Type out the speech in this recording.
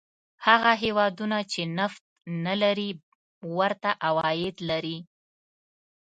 هغه هېوادونه چې نفت نه لري ورته عواید لري.